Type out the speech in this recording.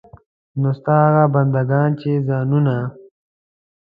نو ستا هغه بندګان چې ځانونه.